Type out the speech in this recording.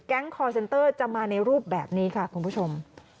คอร์เซนเตอร์จะมาในรูปแบบนี้ค่ะคุณผู้ชม